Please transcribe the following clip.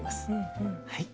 はい。